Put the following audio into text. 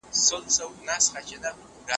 زړونو په دنيـا كـي اوســي